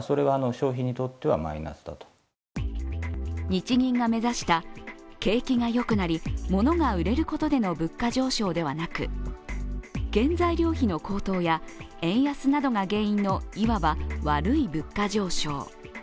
日銀が目指した景気がよくなり、物が売れることでの物価上昇ではなく原材料費の高騰や円安などが原因のいわば悪い物価上昇。